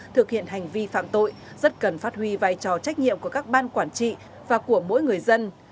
thực hiện hành vi phạm tội rất cần phát huy vai trò trách nhiệm của các ban quản trị và của mỗi người dân